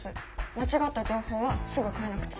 間違った情報はすぐ変えなくちゃ。